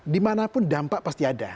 dimanapun dampak pasti ada